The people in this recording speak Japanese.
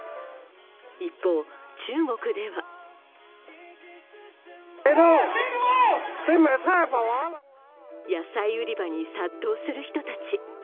一方、中国では野菜売り場に殺到する人たち。